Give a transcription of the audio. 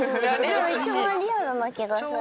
一番リアルな気がする。